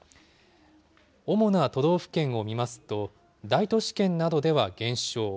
主な都道府県を見ますと、大都市圏などでは減少。